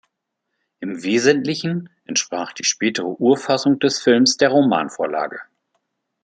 Im Wesentlichen entsprach die spätere Urfassung des Films der Romanvorlage.